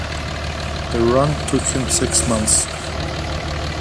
The run took him six months.